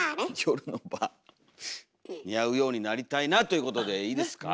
似合うようになりたいなということでいいですか？